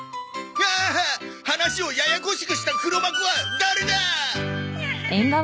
うわっ話をややこしくした黒幕は誰だ！